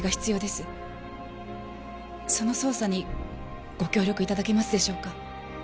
その捜査にご協力頂けますでしょうか？